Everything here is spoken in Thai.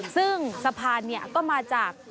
ซึ่งสะพานก็มาจาก